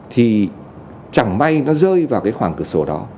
thì chẳng may nó rơi vào cái khoảng cửa sổ đó